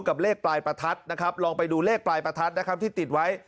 เลขปลายประทัดนะครับลองไปดูเลขปลายประทัดนะครับที่ติดไว้